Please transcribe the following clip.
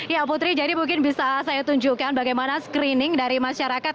ya putri jadi mungkin bisa saya tunjukkan bagaimana screening dari masyarakat